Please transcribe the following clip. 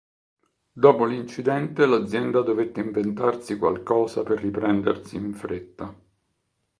Dopo l'incidente l'azienda dovette inventarsi qualcosa per riprendersi in fretta.